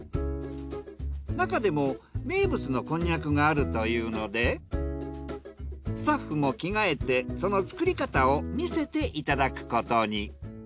なかでも名物のこんにゃくがあるというのでスタッフも着替えてその作り方を見せていただくことに。